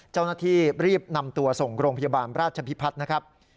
เจ้าหน้าที่รีบนำตัวส่งโรงพยาบาลราชพิพัฒน์นะครับ